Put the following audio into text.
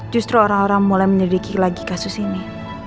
justru orang orang mulai menyelidiki lagi kasus ini